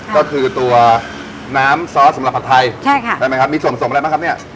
ก็คือตัวน้ำซอสสำหรับผัดไทยใช่ค่ะใช่ไหมครับมีส่วนสมอะไรบ้างครับเนี่ย